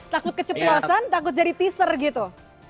takut keceplosan takut jadi teaser gitu